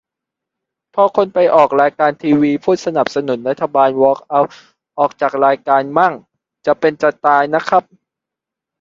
พอคนไปออกรายการทีวีพูดสนับสนุนรัฐบาลวอล์กเอาท์จากรายการมั่ง จะเป็นจะตายนะครับ